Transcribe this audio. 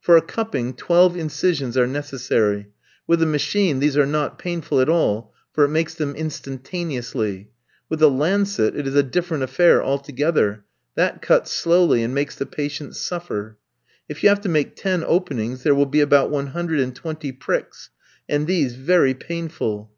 For a cupping, twelve incisions are necessary; with a machine these are not painful at all, for it makes them instantaneously; with the lancet it is a different affair altogether that cuts slowly, and makes the patient suffer. If you have to make ten openings there will be about one hundred and twenty pricks, and these very painful.